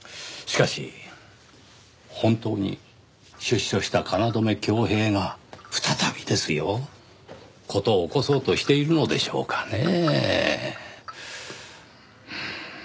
しかし本当に出所した京匡平が再びですよ事を起こそうとしているのでしょうかねぇ？